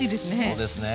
そうですね。